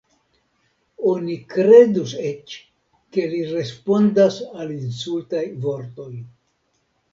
Oni kredus eĉ, ke li respondas al insultaj vortoj.